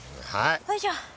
よいしょ。